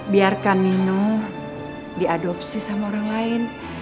biarkan minum diadopsi sama orang lain